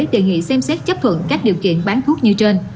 đề nghị xem xét chấp thuận các điều kiện bán thuốc như trên